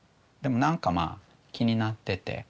でも何かまあ気になってて。